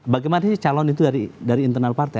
bagaimana sih calon itu dari internal partai